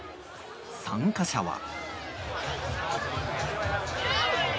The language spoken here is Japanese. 参加者は。